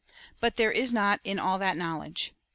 But there is not in all that knowledge.